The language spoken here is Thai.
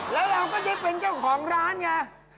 เราก็จะเป็นเจ้าของร้านนะ